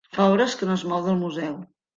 Fa hores que no es mou del museu.